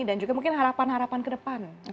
dan juga mungkin harapan harapan ke depan